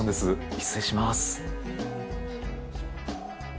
失礼します。